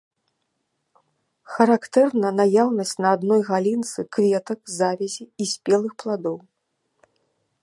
Характэрна наяўнасць на адной галінцы кветак, завязі і спелых пладоў.